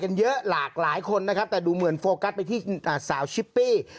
เยอะหลากหลายคนนะครับแต่ดูเหมือนโฟกัสไปที่สาวชิปปี้